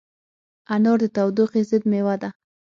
انار د تودوخې ضد مېوه ده.